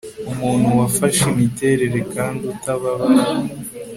Umuntu wafashe imiterere kandi utababara